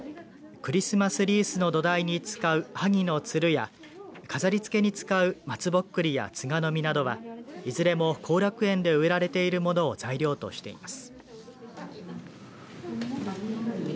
クリスマスリースの土台に使うはぎのつるや飾りつけに使う松ぼっくりや、つがの実などはいずれも後楽園で植えられているものを材料としています。